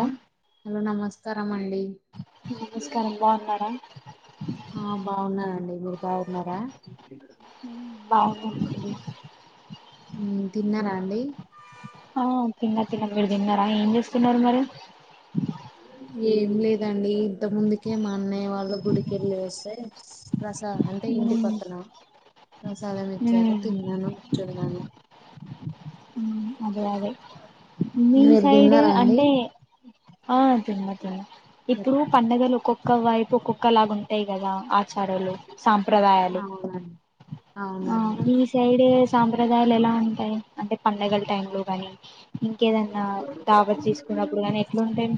Hello hello నమస్కారం అండి. నమస్కారం బాగున్నారా ఆ బావున్నానండి మీరు బాగున్నారా బాగున్నమండి. ఉమ్ తిన్నారా అండి. ఆ తిన్న తిన్న మీరు తిన్నారా ఏం చేస్తున్నారు మరి ఏం లేదండి ఇంత ముందుకే మా అన్నయ్య వాళ్ళు గుడికెళ్ళి వస్తే ప్రసాదం అంటే ఇంటి మ్మ్ పక్కనా ప్రసాదం ఇచ్చారు తిన్నాను కూర్చున్నాను. అదే అదే మీ మీరు సైడ్ తిన్నారా అండి అంటే ఆ తిన్న తిన్న ఇప్పుడు చెప్పండి. పండుగలు ఒక్కొక్క వైపు ఒక్కొక్క లాగ ఉంటాయి కదా ఆచారాలు, సాంప్రదాయాలు అవునండి ఆ అవునండి మీ సైడ్ సాంప్రదాయాలు ఎలా ఉంటాయి అంటే పండగలు టైమ్ లో కానీ ఇంకేదన్నా దాబ చేసుకున్నప్పుడు కానీ ఎట్లుంటది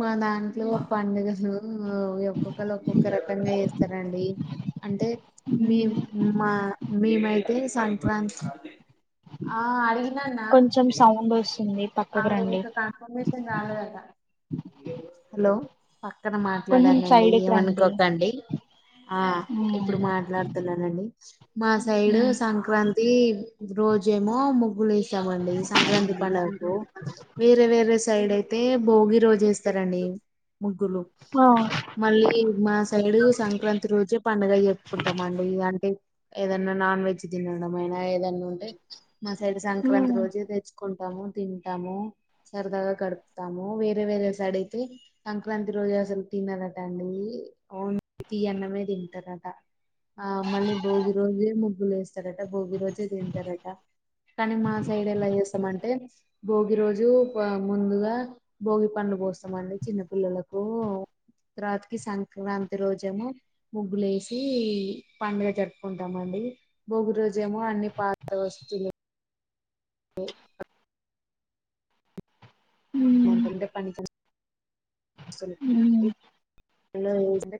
మా దాంట్లో పండుగలు ఒక్కొక్కళ్ళు ఒక్కొక్క రకంగా చేస్తారండి అంటే మేం మా మేమైతే సం వన్స్ ఆ అడిగిన అన్న కొంచెం సౌండ్ వస్తుంది ఆ పక్కకు రండి ఇంకా కన్ఫర్మేషన్ కాలేదు అట లో పక్కన కొంచెం మాట్లాడానండి సైడ్కి రండి ఏమనుకోకండి ఆ ఇప్పుడు మాట్లాడుతున్నానండి మా సైడు సంక్రాంతి రోజేమో ముగ్గులు వేసామ సంక్రాంతి పండగకు వేరే వేరే సైడ్ అయితే భోగి రోజు వేస్తారండి ముగ్గులు మళ్ళీ మా సైడు సంక్రాంతి రోజే పండుగ జరుపుకుంటాం అండి ఈగాన్ని ఏదన్నా నాన్ వెజ్ తినడం ఆయినా ఏదన్నా ఉంటే మా సైడ్ సంక్రాంతి రోజే దె కుంటాము తింటాము సరదాగా గడుపుతాము వేరే వేరే సైడ్ అయితే సంక్రాంతి రో రోజు అసలు తినరాటండి ఓన్లీ తీయన్నమే తింటరట ఆ మళ్ళీ భోగి రోజే ముగ్గులు వేస్తారట భోగి రోజే తింటారట కానీ మా సైడలా ఎస్ అంటే భోగి రోజు ఆ ముందుగా భోగి పండ్లు పోస్తామండి చిన్న పిల్లలకు ఓ తర్వాతికిి సంక్రాంతి రోజము ముగ్గులేేసి పండుగ జరుపుకుంటాం మా భోగి రోజు ఏమో అన్ని పాత వస్తువులు అ మాటంటే పని [unintelligible] చగా ఉంటది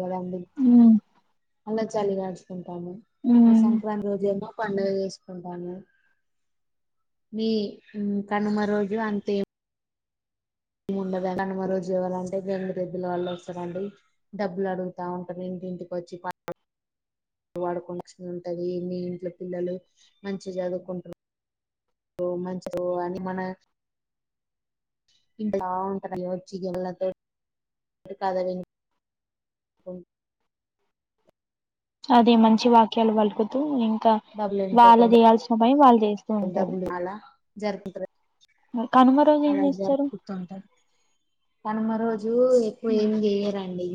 కదా అండి అన్న చలిగాచుకుంటాం టాము మరి సంక్రాంతి రోజు ఏమో పండగ చేసుకు కుంటాను మీ కనుమ రోజు అంతే ఉండద కనుమ రోజు ఇవ్వాలంటే గంగి రెద్దుల వాల్లు వస్తారండి డబ్బులు అడుగతా ఉంటాది ఇంటికొచ్చి పాల వాడుకున ఉంటది మీ ఇంట్లో పిల్లలు మంచిగా చదువుకుంటారు ఓ మంచి ఓ ఆ మన ఇంత లావుంటది మరి ఎవరొచ్చి [unintelligible] పోమ్ అది మంచి వాక్యాలు పలుకుతూ ఇ కా డబ్బులు వాళ్ళు ఎన్నుకోకుండా చేయాల్సిన పని వాళ్ళు చేస్తూ ఉంటారు డబ్బులు అలా కనుమ రోజు ఏం అలాగ చేస్తారు జరుపుకుతుంటారు కనుమ రోజు జు ఎక్కువ ఏమి చేయరండి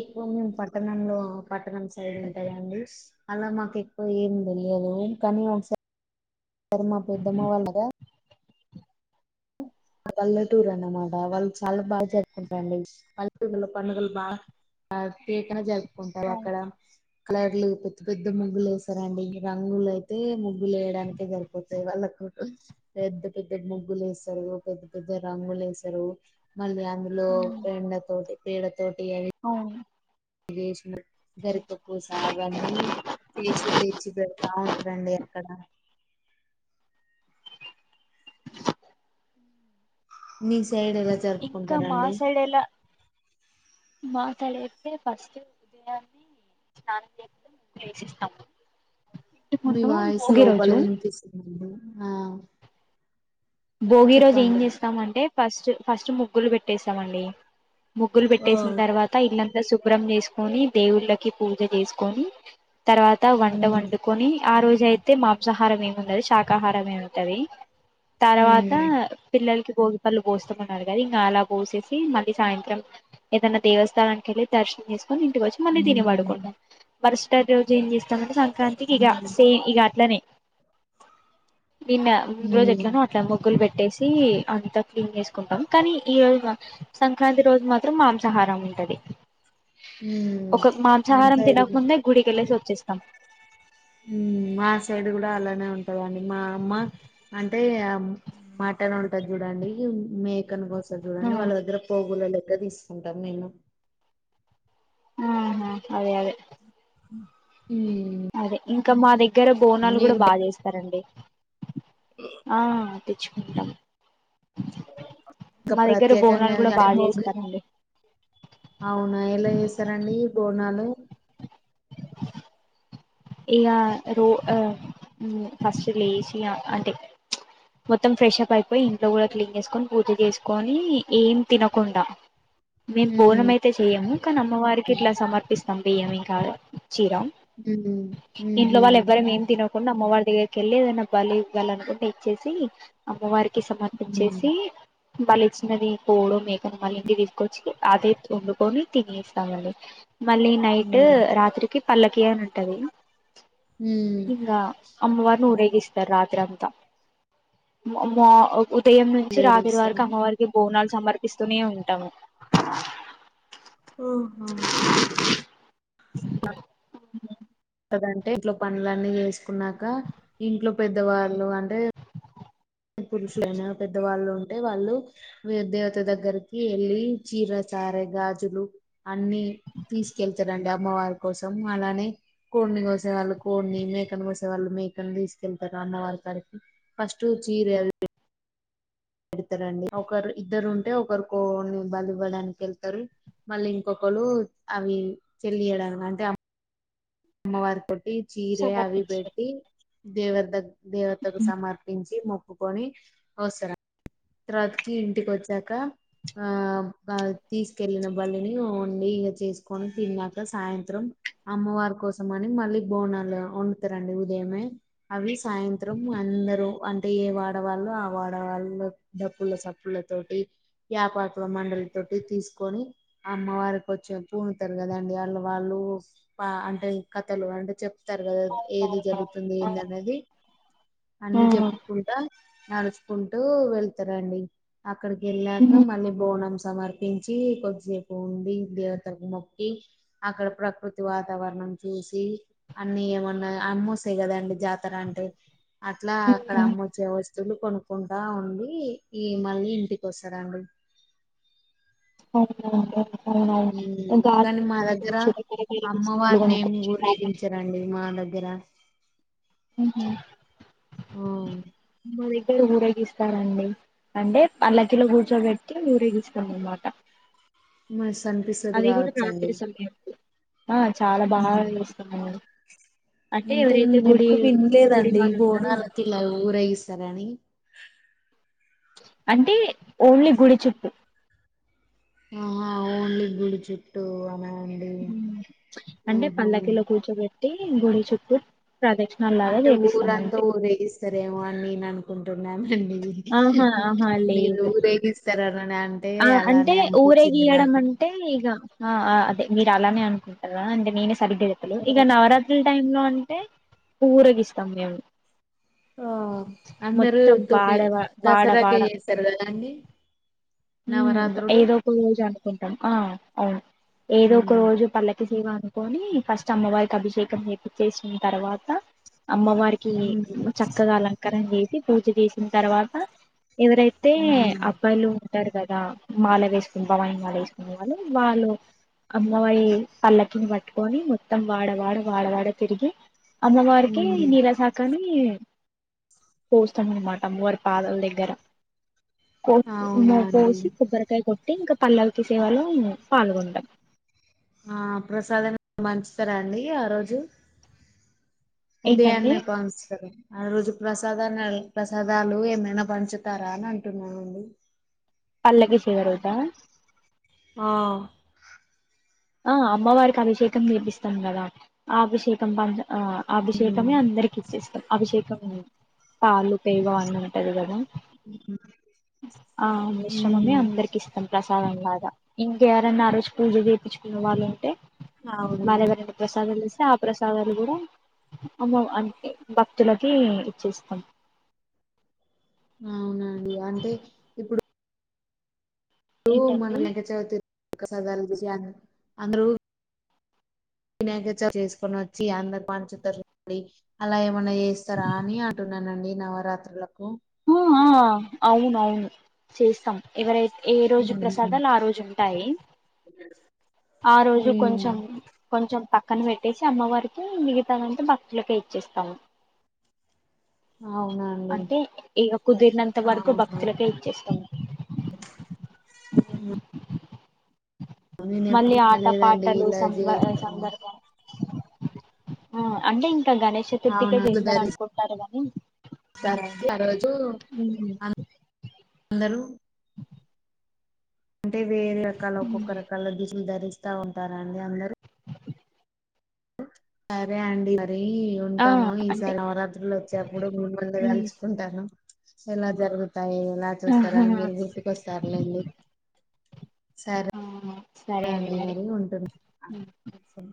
ఎక్కువ మేము పట్టణంలో పట్టణం సైడ్ ఉంటదండి అలా మాకు ఎక్కువ ఏం తెలియదు కానీ ఒకసారి మా పెద్దమ్మా వాళ్ళదా పల్లెటూరు అనమాట వాళ్ళు చాలా బాగా జరుపుకుంటారండి పల్లెటూరులో పండుగలు బాగా హ్యాపీగా జర్పు అవును అక్కడ కలర్లు పెద్ద పెద్ద ముగ్గులు వేశారండి రంగులు అయితే ముగ ముగ్గులు వయడానికే సరిపోతాయి వాళ్ళకు పెద్ద పెద్ద ముగ్గులు వేస్తారు పెద్ద పెద్ద రంగులు వేసారు మళ్ళీ అందులో పెండ తొటి పీడ తొ తోటి ఆయి అవును లేషిన గరిక పూస అవన్నీ తీసి తెచ్చి పెడతా ఉంటారండి అక్కడ మీ సైడ్ ఎలా ఇంకా జరుపుకుంటారండి మాసైడెలా మాకాడైతే ఫస్ట్ ఉదయాన్నే స్నానం జేయక ముందే యేశేస్తాము. మీ వాయిస్ లోపల వినిపిస్తుందండి ఆ భోగి రోజు ఏం చెప్పండి ఉమ్ జేస్తామంటే ఫస్ట్ ఫస్ట్ ముగ్గులు బెట్టేస్తామండి. ముగ్గులు బెట్టేసిన తర్వాత ఇల్లంతా శుభ్రం జేసుకొని, దేవుళ్ళకి పూజ జేసుకొని, తర్వాత వంట ఉమ్ వండుకొని, ఆ రోజు అయితే మాంసాహారం ఏమి ఉండదు శాకాహారమే ఉంటది. తర్వాత ఉమ్ పిల్లలకి భోగి పళ్ళు బోస్తాం అన్నారు గదా ఇంగా అలా బోసేసి మళ్ళీ సాయంత్రం ఏదైనా దేవస్థానానికి యెళ్ళి దర్శనం జేసు కొని ఇంటికి వచ్చి మళ్ళీ తిని పడుకుంటాం. మరుసటి రోజు ఏం జేస్తం ప్రతి సంక్రాంతికి ఇగ సేమ్ ఇగ అట్లనే నిన్న ముందు రోజు ఉమ్ ఎట్లనో అట్లా ముగ్గులు పె ట్టేసి అంతా క్లీన్ చేసుకుంటాం కానీ ఈ రోజు సంక్రాంతి రోజు మాత్రం మాంసాహారం ఉంటది. ఉమ్ ఒక మా మాంసాహారం సైడ్ తినకముందే గుడికి యెళ్ళేసి వచ్చేస్తాం. ఉమ్ మా సైడ్ కూడా అలానే ఉంటదండి మా అమ్మ అంటే మటన్ ఉంటది చూడండి మేకను కోస్ చూడండి వాళ్ళ దగ్గర పోగుల లెక్క దీసుకుంటాం నేను ఆహా అదే అదే ఉమ్ అదే ఇంకా మా దగ్గర బోనాలు గూడా మీరు బాగా జేస్తారండి. ఆ తెచ్చుకుంటాం. ఇంకా మా దగ్గర బోనాలు ప్రత్యేకంగా కూడా బాగా [unintelligible] చేస్తారండి అవునా ఎలా జేసారండి బోనాలు ఇగ రో ఆ ఫస్ట్ లేషి ఆ అంటే మొత్తం ఫ్రెష్ అప్ అయిపోయి ఇంట్లో కూడా క్లీన్ చేసుకొని పూజ చేసుకొని ఏం తినకుండా మేము ఉమ్ బోనం అయితే చెయ్యము కానీ అమ్మవారికి ఇట్లా సమర్పిస్తాం బియ్యం ఇంకా చీరా ఉమ్ ఇంట్లో ఉహు వాళ్ళు ఎవ్వరం ఏం తినమ్ కొన్ని అమ్మవారి దగ్గరికెళ్ళి ఏదైనా బలి ఇవ్వాలనుకుంటే ఇచ్చేసి అమ్మవారి కి ఉమ్ సమర్పించేసి వాళ్ళు ఇచ్చినది పోడు మేకను మళ్ళి ఇంటికి తీసుకొచ్చి అదే వండుకొని తినేస్తామండి. మళ్ళీ నైట్ ఉమ్ రాత్రికి పల్లకి అని ఉంటది. ఉమ్ ఇంగా అమ్మవారీని ఊరేగిస్ రాత్రి అంతా ఉదయం నుంచి ఎలా రాత్రి చేస్తారు వరకు అమ్మవారికి బోనాల్ సమర్పిస్తూనే ఉంటాము. ఆహా ఉత్తగంటే ఇంట్లో పనులన్నీ చేసుకున్నాక ఇంట్లో పెద్దవాళ్ళు అంటే పురుషులైనా పెద్దవాళ్ళు అంటే వాళ్ళు వేరే దేవత దగ్గరికి యెళ్ళి చీర సారె గాజులు అన్ని తీసుకెళ్తారండి అమ్మవారి కోసం అలానే కోడిని కోసే వాళ్ళు కోడిని మేకని కోసే వాళ్ళు మేకను తీసుకెళ్తారు అమ్మ వారి కాడికి ఫస్ట్ చీరలు పెడతారండి ఒకరు ఇద్దరు ఉంటే ఒకరికో బలి ఇవ్వడానికి యెళ్తరు మళ్ళీ ఇంకొకరు లో అవి తెలియడం అంటే అమ్మవారి కొట్టి చీర అవి సమర్పించి భేట్టి దేవర్ దగ్ దేవతకు సమర్పించి మొక్కుకొని వాస్తర తర్వాతకి ఇంటికి వచ్చాక ఆ తీసుకెళ్లిన బలిని వండి ఇగ చేసుకొని తిన్నాక సాయంత్రం అమ్మవారి కోసం అని మళ్ళీ బోనాలు వండుతారండి ఉదయమే అవి సాయంత్రం అందరుూ అంటే ఏ వాడవాళ్ళు ఆ వాడవాళ్ళు డబ్ప్పుల సప్పుల తోటి యపాకుల మండల తోటి తీసుకొని ఆ అమ్మవారికి వచ్చ పూముతారు కదండి వాళ్ళ వాళ్ళు అంటే కథలు అంటే చెప్ తర్వాత ఏది జరుగుతుంది ఏంది అన్నది అన్ని అవునవును చెప్పుకుంటా నడుచుకుంటూ వెళ్తరండి అక్కడికి వెళ్ళాక మళ్ళీ బోనం సమర్పించి కొద్దిసేపు ఉండి దేవతకు మొక్కి అక్కడ ప్రకృతి వాతావరణం చూసి అన్ని ఏమన్నా అమ్మూస్తాయి కదండి జాతర అంటే అట్లా అక్కడ అమ్మొచ్చే వస్తువులు కొనుక్కుంటా ఉండి ఈ మళ్ళీ ఇంటికి వస్తరా అండి ఉ [unintelligible] కానీ మా దగ్గర చిరకడగల వస్తువులు అమ్మవారిని ఏమి కొనుక్కోవచ్చు లాభం ఊరేగించరండి మా దగ్గ గ్గరా ఉహామ్ ఉమ్, మా దగ్గర ఊరేగిస్తారండి అంటే పల్లకిలో కూర్చోబెట్టి ఊరేగిస్తాం అనమాట మస్త్ అనిపిస్తది కావచ్చండి సమయంలో ఆ చాలా బాగా ఉమ్. చేస్కునేవోరు అంటే నేను ఎప్పుడు గుడి విన్లేదండి ఈ వాళ్ళు ఉంటారో వాళ్ళు బోనాలకి ఇలా ఊరేగిస్తారని అంటే ఓన్లీ గుడి చుట్టు ఆహా ఓన్లీ గుడి చుట్టూ అన హ్మ్ అంటే పల్లకీలో కూర్చోబెట్టి గుడి చుట్టు ప్రదక్షిణ లాగా చేపిస్తామంతె సరేమో అని నేను అనుకుంటున్నానండి ఆహా ఆహా మీరు లేదు రేపిస్తార ఆ అంటే ఊరే గీయడం నాకు అంటే ఇగ ఆ అదే మీరు అలానే అనుకుంటారా అంటే నేనే సరిగ్గా చెప్పలే ఆ ఇక నవరాత్రుల టైంలో అంటే ఊరగిస్తాం మేము ఆ అందరుూ మొత్తం తొమ్మి వాడ వాడ వాడ దసరకె చేస్తారు కదా అండి [inaudible] ఏదో ఒక రోజు అనుకుంటాం ఆ అవును ఏదో ఉమ్ ఒక రోజు పల్లకి వ అనుకొని ఫస్ట్ అమ్మవారికి అభిషేకం చేపిచ్చేసిన తర్వాత అమ్మవారికి ఉమ్ చక్కగా అలంకారన చేసి పూజ చేసిన తర్వాత ఎవరైతే ఉమ్ అబ్బాయిలు ఉంటారు కదా మాల వేసుకుని మాల వేసుకునే వాళ్ళు వాళ్ళు అమ్మవరి పల్లకిని పట్టుకొని మొత్తం వాడవాడ వాడవాడ తిరిగి అమ్మవారికి ఉమ్ నీళ్ళ సాకాని పోస్తాం అనమాట అమ్మవారి పాదల దగ్గర కో అవునా అండి పోసి కొబ్బరికాయ కొట్టి ఇంకా పల్లవుకి సేవాలో పాల్గొంటాం ఆ ప్రసాదన్ని పంచుతారా అండి ఆ రోజు ఏంటంటే ఉదయాన్నే కాంస్తారా ఆ రోజు ప్రసాదాన్ని ప్రసాదాలు ఏమైనా పంచుతారా అని అంటున్నారు పల్లకి చివరిరోజా ఆ ఆ అమ్మవారికి అభిషేకం చేపిస్తాం కదా ఆ అభిషేకం ప ఆ ఉమ్ అభిషేకమే అందరికి ఇచ్చేస్తాం అభిషేకంమే పాలుకైవ అ ఉంటది కదా ఆ మిశ్రమమే అందరికి ఇస్తాం ప్ర అవును కదా ఇంక ఎవరనా ఆ రోజు పూజ చేయించుకున్న వాళ్ళు ఉంటే అవును వాళ్ళు ఎవరైనా ప్రసాదం ఇస్తే ఆ ప్రసాదాలు కూడా అమ అంటే భక్తులకి ఇచ్చేస్తాం అవునండి అంటే ఇప్పుడు ఇప్పుడు ఏంటండి [inaudible] అంద్రఊ వినాయక చవితి చేసుకొని వచ్చి అందరు పంచుతారు అలా ఏమైన్నా చేస్తారా అని అంట ఉన్నానండి నవరాత్రులకు ఉ ఆ అవును అవును చేస్తాం ఎవరై ఏ ఉ రోజు ప్రసాదాలు ఆ రోజు ఉంటాయి ఆ రోజు ఉమ్ కొంచెం కొంచెంక్క పక్కన పెట్టేసి అమ్మవారికి మిగతానంటే భక్తులకు ఇచ్చేస్తాము అవునండి అంటే ఇక కుదిరినంత ఆ వరకు భక్తులకే ఇచ్చేస్తాము ఉ నేను ఎప్పుడు మళ్ళీ ఆట వినలేదండి పాటలు ఇలా సంబ చేస్తాను సందర్భం ఆ అంటే ఇంకా గణేష్ చతుర్థికే చేస్తారు అనుకుంటారు గాని స ఆ రోజు అం అందరూ అంటే వేరే రకాల ఒక్కొక్క రకాల దుసులు ధరిస్తా ఉంటారం అండి అందరు సరే అండి మరి ఆ ఉంటాను అంటే ఈసారి నవరాత్రులు వచ్చేప్పుడు మూడు మంది ఉమ్. కలుసుకుంటాను ఎలా జరుగుతాయి ఎలా చూస్తార ఆహా. అని మీరు గుర్తుకొస్తారులేండి సరే ఆ రే అండి మరి ఉంటూ ఉమ్. న